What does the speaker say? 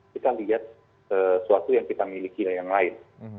kita lihat sesuatu yang kita miliki yang lain